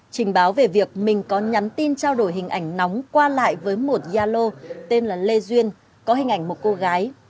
trình báo về việc mình có nhắn tin trao đổi hình ảnh nóng qua lại với một yalo tên là lê duyên có hình ảnh một cô gái